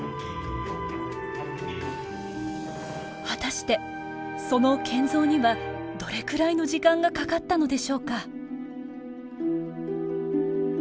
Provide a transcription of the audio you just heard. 果たしてその建造にはどれくらいの時間がかかったのでしょうか？